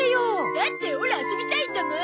だってオラ遊びたいんだもん！